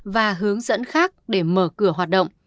và hướng dẫn khác để mở cửa hoạt động